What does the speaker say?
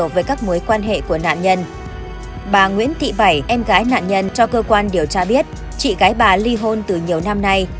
các cơ sở mua bán xe máy trong và ngoài tỉnh hải dương đều được các điều tra viên gặp gỡ và thu thập thông tin